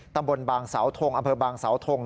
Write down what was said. ตำบลบางเสาทงอำเภอบางสาวทง